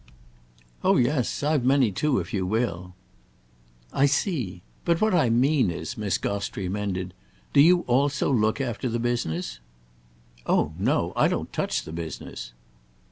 "Oh yes—I've many too, if you will." "I see. But what I mean is," Miss Gostrey amended, "do you also look after the business?" "Oh no, I don't touch the business."